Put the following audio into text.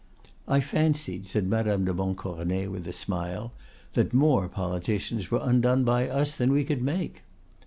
"I fancied," said Madame de Montcornet with a smile, "that more politicians were undone by us than we could make."